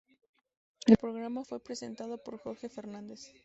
El programa fue presentado por Jorge Fernández.